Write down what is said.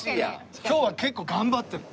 今日は結構頑張ってる。